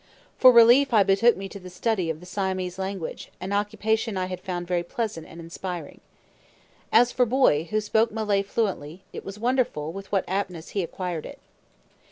For relief I betook me to the study of the Siamese language, an occupation I had found very pleasant and inspiring. As for Boy, who spoke Malay fluently, it was wonderful with what aptness he acquired it.